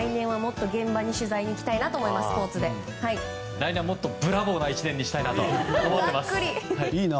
来年はもっとブラボーな１年にしたいと思います。